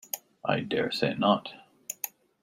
I dare say not.